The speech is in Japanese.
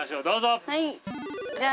どうぞ。